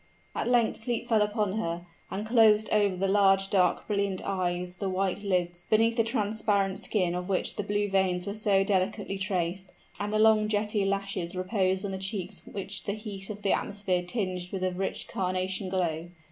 At length sleep fell upon her, and closed over the large, dark, brilliant eyes the white lids, beneath the transparent skin of which the blue veins were so delicately traced; and the long, jetty lashes reposed on the cheeks which the heat of the atmosphere tinged with a rich carnation glow.